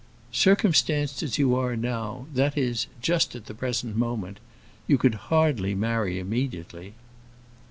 "Circumstanced as you are now that is, just at the present moment you could hardly marry immediately."